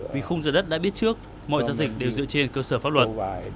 vì khung giữa đất đã biết trước mọi giá dịch đều dựa trên cơ sở pháp luật